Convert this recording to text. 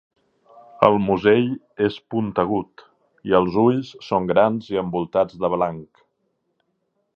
El musell és puntegut i els ulls són grans i envoltats de blanc.